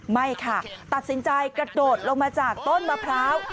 ไม่ค่ะตัดสินใจกระโดดลงมาจากต้นมะพร้าว